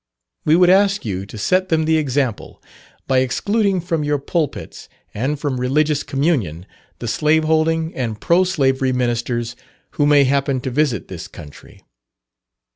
We would ask you to set them the example, by excluding from your pulpits, and from religious communion, the slave holding and pro slavery ministers who may happen to visit this country.